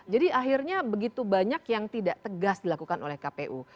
jadi akhirnya begitu banyak yang tidak tegas dilakukan oleh kpu